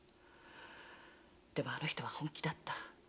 でもあの人は本気だった。